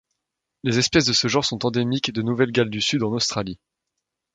Les espèces de ce genre sont endémiques de Nouvelle-Galles du Sud en Australie.